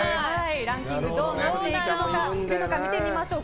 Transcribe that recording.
ランキングどうなっているのか見ていきましょう。